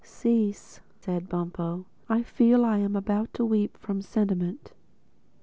"Cease," said Bumpo, "I feel I am about to weep from sediment."